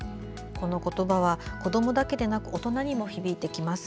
この言葉は、子どもだけでなく大人にも響きます。